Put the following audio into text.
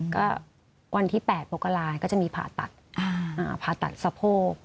ก็วันที่๘มกราก็จะมีผ่าตัดผ่าตัดสะโพก